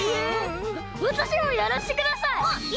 わたしにもやらせてください！